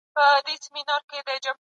د لیکنې رنګ باید په ماشین وکتل سی.